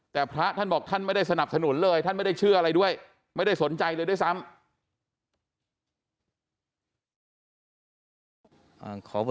แต่พระท่านบอกท่านไม่ได้สนับสนุนเลยท่านไม่ได้เชื่ออะไรด้วยไม่ได้สนใจเลยด้วยซ้ำ